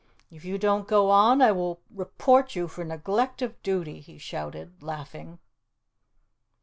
"If you don't go on I will report you for neglect of duty!" he shouted, laughing.